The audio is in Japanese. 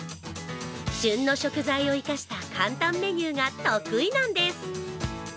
旬の食材を生かした簡単メニューが得意なんです。